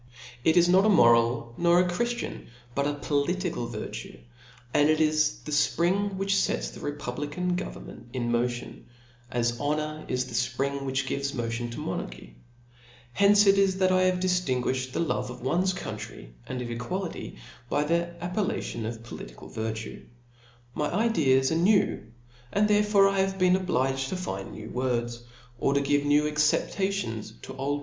It is not a moral, nor a chri/iian, but a political y\xi\i6 ^ and it is the fpring which fets the republican' govern ^ ment in motion, as honour is the fprihg whiib ^ives motion to monarchy, tience it is, that I have dijiinguijhed the love of one's coutitry^ and qf equality, by the appellation of political virtue. My ideas are new, and therefore 1 have been obliged to fnd out ne,w words, or to give new acceptations to old.